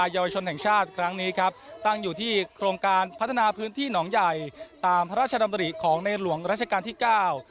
ด้วยการยกกระดับการแข่งขันนะครับ